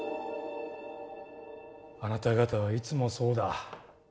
あなた方はいつもそうだ。